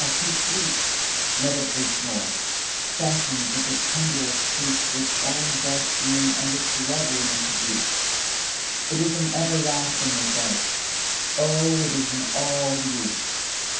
to fleet, Never fleets móre, fastened with the tenderest truthTo its own best being and its loveliness of youth: it is an everlastingness of, O it is an all youth!